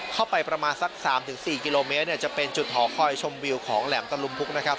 เข้าไปประมาณสัก๓๔กิโลเมตรเนี่ยจะเป็นจุดหอคอยชมวิวของแหลมตะลุมพุกนะครับ